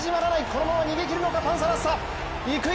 このまま逃げきるのかパンサラッサ。